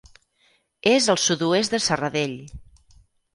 És al sud-oest de Serradell.